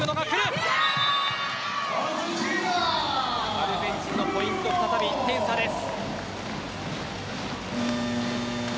アルゼンチンのポイント再び１点差です。